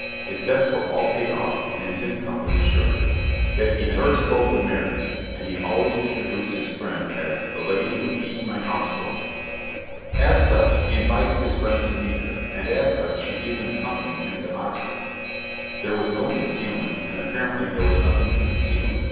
His debts were all paid off, and his income was assured. Yet he never spoke of marriage, and he always introduced his friend as "the lady who keeps my house for me." As such, he invited his friends to meet her, and as such, she even accompanied him to Oxford. There was no concealment, and apparently there was nothing to conceal.